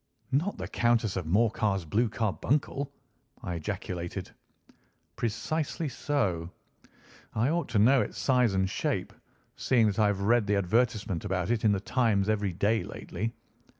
"Not the Countess of Morcar's blue carbuncle!" I ejaculated. "Precisely so. I ought to know its size and shape, seeing that I have read the advertisement about it in The Times every day lately.